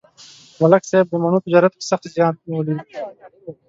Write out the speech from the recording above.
ملک صاحب د مڼو تجارت کې سخت زیان ولید